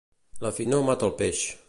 La finor mata el peix.